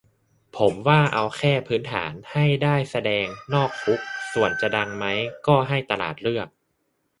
ผมว่าเอาแค่พื้นฐาน ให้ได้แสดงนอกคุก ส่วนจะดังไหมก็ให้ตลาดเลือก